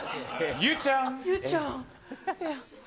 ゆうちゃん？